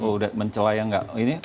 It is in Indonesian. udah mencelayang nggak ini